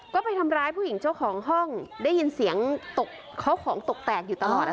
ก็ไปทำร้ายผู้หญิงเจ้าของห้องได้ยินเสียงตกเขาของตกแตกอยู่ตลอด